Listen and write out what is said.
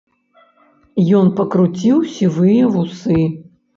Ён пакруціў сівыя вусы.